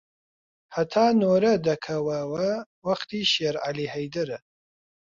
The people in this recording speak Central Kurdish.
هەتا نۆرە دەکەوەوە وەختی شێرعەلی هەیدەرە